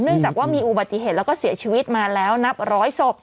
จากว่ามีอุบัติเหตุแล้วก็เสียชีวิตมาแล้วนับร้อยศพ